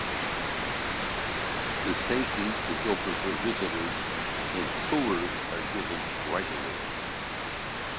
The station is open for visitors and tours are given regularly.